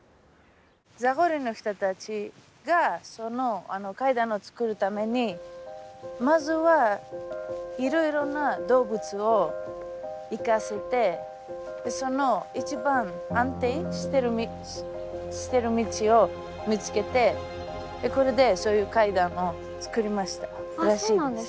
ザゴリの人たちがその階段を作るためにまずはいろいろな動物を行かせてその一番安定している道を見つけてこれでそういう階段を作りましたらしいです。